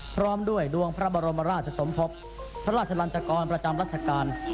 พร้อมด้วยดวงพระบรมราชสมภพพระราชลันจกรประจำรัชกาล